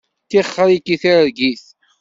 Tixeṛ-ik i targit.